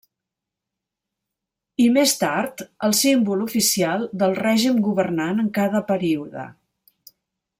I més tard, el símbol oficial del règim governant en cada període.